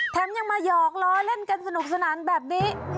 ยังมาหยอกล้อเล่นกันสนุกสนานแบบนี้